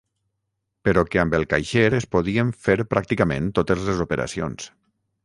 Però que amb el caixer es podien fer pràcticament totes les operacions.